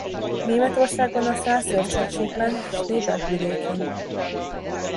Németországban a Szász-érchegységben Schneeberg vidékén.